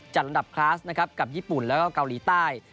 จัดลำดับคลาสกับญี่ปุ่นแล้วก็เกาหลีใต้